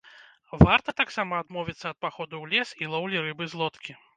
Варта таксама адмовіцца ад паходу ў лес і лоўлі рыбы з лодкі.